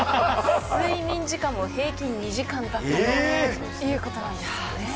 睡眠時間も平均２時間だったということなんですね。